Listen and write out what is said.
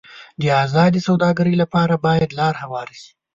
د ازادې سوداګرۍ لپاره باید لار هواره شي.